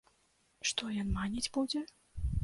Што ён маніць будзе?!